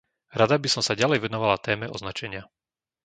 Rada by som sa ďalej venovala téme označenia.